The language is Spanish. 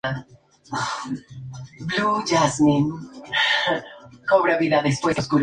Alcanzó grandes logros, enseñó ciencia, escribió obras, investigó y asesoró.